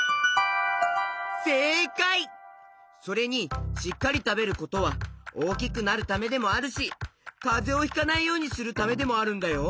それにしっかりたべることはおおきくなるためでもあるしかぜをひかないようにするためでもあるんだよ。